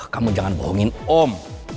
kamu jangan bohongin om